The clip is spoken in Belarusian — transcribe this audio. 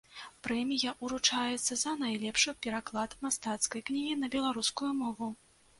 Прэмія ўручаецца за найлепшы пераклад мастацкай кнігі на беларускую мову.